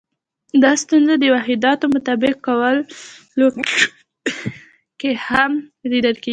دا ستونزې د واحداتو مطابق کولو کې هم لیدل کېدې.